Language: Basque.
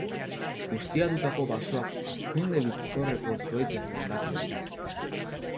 Ustiatutako basoak hazkunde bizkorreko zuhaitzez landatzen dira.